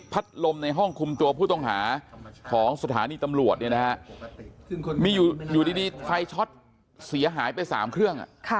พัดลมในห้องคุมตัวผู้ต้องหาของสถานีตำรวจอยู่ดีไฟช็อตเสียหายไป๓เครื่อง